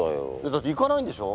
だって行かないんでしょ？